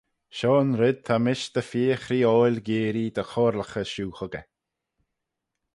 Shoh'n red ta mish dy feer chreeoil geearree dy choyrlaghey shiu huggey.